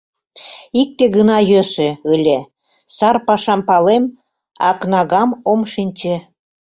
Икте гына йӧсӧ ыле: сар пашам палем, а кнагам ом шинче.